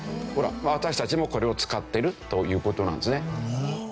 私たちもこれを使ってるという事なんですね。